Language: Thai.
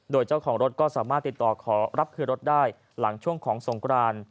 โดยเจ้าของรถก็สามารถติดต่อขอรับคืนรถได้หลังช่วงของสงคราน